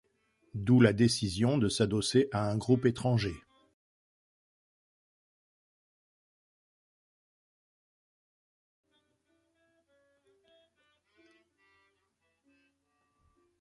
D'où la décision de s'adosser à un groupe étranger.